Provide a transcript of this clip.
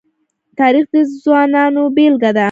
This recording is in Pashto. تاریخ د ځانونو بېلګه ده.